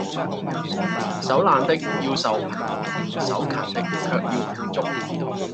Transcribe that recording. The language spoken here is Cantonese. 手懶的，要受貧窮；手勤的，卻要富足。